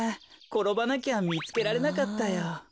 ころばなきゃみつけられなかったよ。